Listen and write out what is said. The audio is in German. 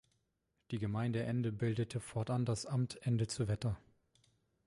Die Gemeinde Ende bildete fortan das "Amt Ende zu Wetter".